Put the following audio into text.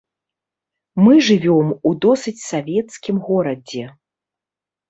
Мы жывём у досыць савецкім горадзе.